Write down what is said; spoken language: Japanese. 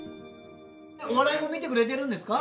お笑いも見てくれてるんですか？